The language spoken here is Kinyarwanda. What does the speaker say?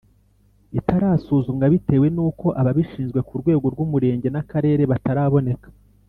itarasuzumwa bitewe n’ uko ababishinzwe ku rwego rw’ umurenge n’ akarere bataraboneka